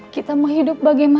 kita mau hidup bagaimana